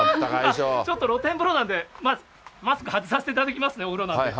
ちょっと露天風呂なんで、マスク外させていただきますね、お風呂なんで。